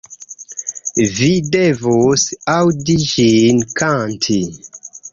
Vi devus aŭdi ĝin kanti.